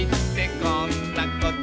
「こんなこと」